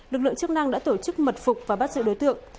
lực lượng chức năng đã tổ chức mật phục và bắt giữ đối tượng